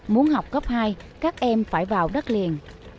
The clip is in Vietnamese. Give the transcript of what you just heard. muốn học cấp hai các em phải vào đất liền